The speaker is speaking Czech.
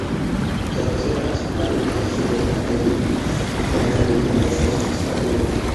V teoretické práci obrátil Lukács svou pozornost k rozvinutí myšlenek leninismu do filosofických kategorií.